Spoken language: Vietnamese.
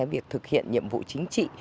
việc thực hiện nhiệm vụ chính trị